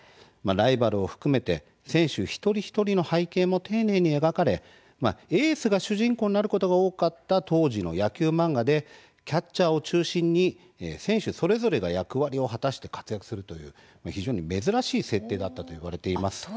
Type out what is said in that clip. ライバルを含めて選手一人一人の背景も丁寧に描かれエースが主人公になることが多かった当時の野球漫画でキャッチャーを中心に選手それぞれが役割を果たして活躍するという非常に珍しい設定だったといわれています。